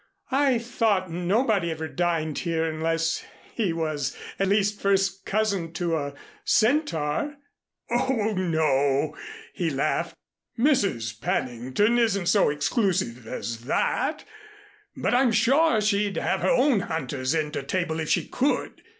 "I thought nobody ever dined here unless he was at least first cousin to a Centaur." "Oh, no," he laughed. "Mrs. Pennington isn't so exclusive as that. But I'm sure she'd have her own hunters in to table if she could.